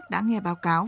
đã ra đảo từ rất sớm